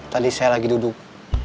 tadi saya lagi duduk